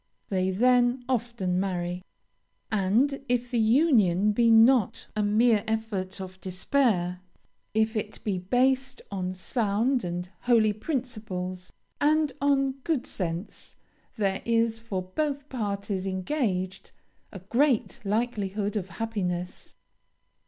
They then often marry and, if the union be not a mere effort of despair, if it be based on sound and holy principles, and on good sense, there is, for both parties engaged, a great likelihood of happiness.